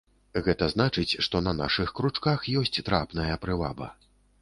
Гэта значыць, што на нашых кручках ёсць трапная прываба.